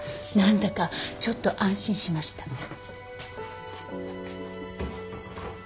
何だかちょっと安心しました。